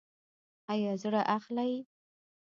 ایا زړه اخلئ؟